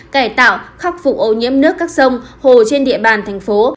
cải tạo khắc phục ô nhiễm nước các sông hồ trên địa bàn thành phố